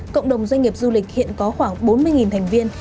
cộng đồng doanh nghiệp du lịch hiện có khoảng bốn mươi thành viên